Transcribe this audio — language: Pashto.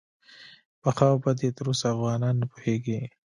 په ښه او بد یې تر اوسه افغانان نه پوهیږي.